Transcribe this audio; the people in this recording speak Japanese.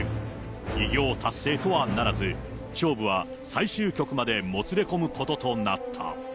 偉業達成とはならず、勝負は最終局までもつれ込むこととなった。